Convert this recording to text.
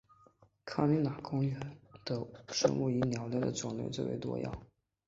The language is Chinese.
康尼玛拉国家公园的生物中以鸟类的种类最为多样。